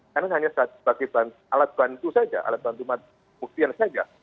karena hanya sebagai alat bantu saja alat bantu buktian saja